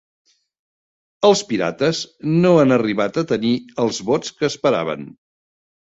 Els Pirates no han arribat a tenir els vots que esperaven